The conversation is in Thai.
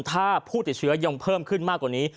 ถ้าผู้ติดเชื้อยังเพิ่มขึ้นมากกว่านี้